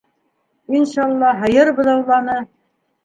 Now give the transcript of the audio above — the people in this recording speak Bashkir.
Иншалла, һыйыр быҙауланы.